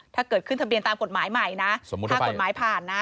ถ้าเกิดขึ้นทะเบียนตามกฎหมายใหม่นะถ้ากฎหมายผ่านนะ